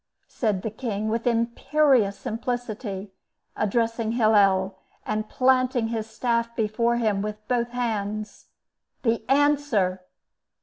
said the king, with imperious simplicity, addressing Hillel, and planting his staff before him with both hands. "The answer!"